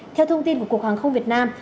theo thông tin của cục hàng không việt nam